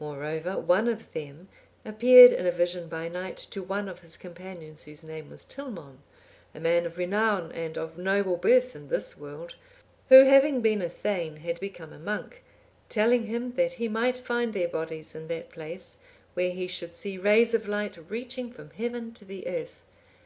Moreover, one of them appeared in a vision by night to one of his companions, whose name was Tilmon, a man of renown and of noble birth in this world, who having been a thegn had become a monk, telling him that he might find their bodies in that place, where he should see rays of light reaching from heaven to the earth.